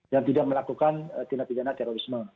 dan tidak melakukan tindak tindakan terorisme